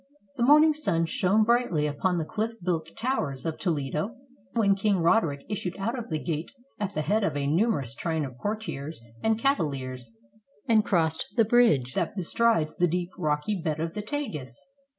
The morning sun shone brightly upon the cHff built towers of Toledo, when King Roderick issued out of the gate at the head of a numerous train of courtiers and cavaliers, and crossed the bridge that bestrides the deep rocky bed of the Tagus.